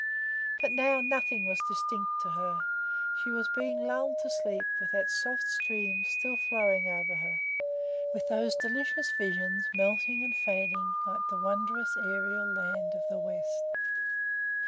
But now nothing was distinct to her; she was being lulled to sleep with that soft stream still flowing over her, with those delicious visions melting and fading like the wondrous aerial land of the west.